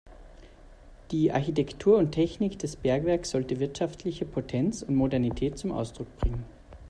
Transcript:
Die Architektur und Technik des Bergwerkes sollte wirtschaftliche Potenz und Modernität zum Ausdruck bringen.